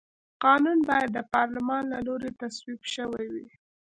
قانون باید د پارلمان له لوري تصویب شوی وي.